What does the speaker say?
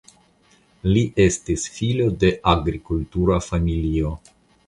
Li estis filo de agrikultura familio.